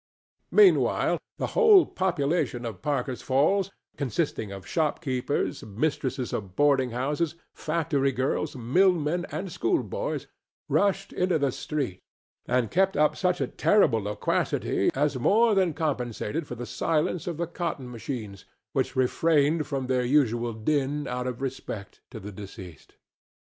Meanwhile, the whole population of Parker's Falls, consisting of shopkeepers, mistresses of boarding houses, factory girls, mill men and schoolboys, rushed into the street and kept up such a terrible loquacity as more than compensated for the silence of the cotton machines, which refrained from their usual din out of respect to the deceased.